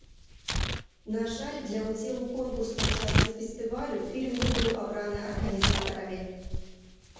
На жаль, для ўдзелу ў конкурснай частцы фестывалю фільм не быў абраны арганізатарамі.